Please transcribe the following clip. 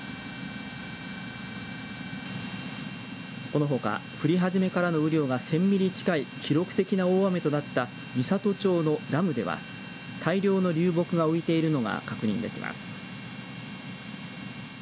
このほか降り始めからの雨量が１０００ミリ近い記録的な大雨となった美郷町のダムでは大量の流木が浮いているのが確認できます。